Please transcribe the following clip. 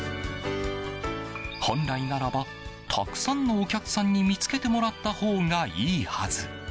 本来ならばたくさんのお客さんに見つけてもらったほうがいいはず。